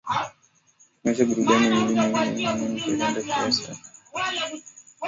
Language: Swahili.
maisha burudani bila Scofield Ruge yanakosa Mvuto mfano mzuri kupigwa kalenda fiesta